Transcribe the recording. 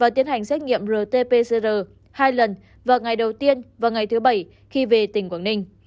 tiến hành xét nghiệm rt pcr hai lần vào ngày đầu tiên và ngày thứ bảy khi về tỉnh quảng ninh